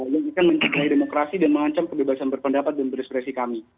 yang ingin mencegah demokrasi dan mengancam kebebasan berpendapat dan berespresi kami